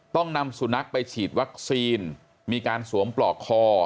ต้องนำสุนัขไปฉีดวัคซีนมีการสวมปลอกคอ